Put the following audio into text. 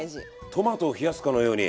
トマトを冷やすかのように。